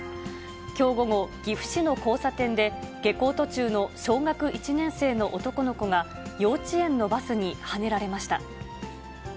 きょう午後、岐阜市の交差点で、下校途中の小学１年生の男の子が、幼稚園のバスにはねられました。